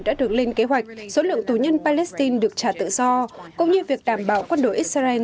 đã được lên kế hoạch số lượng tù nhân palestine được trả tự do cũng như việc đảm bảo quân đội israel